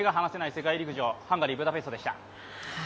世界陸上ハンガリー・ブダペストでした。